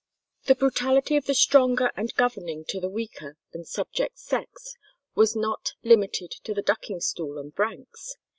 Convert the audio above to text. The brutality of the stronger and governing to the weaker and subject sex was not limited to the ducking stool and branks.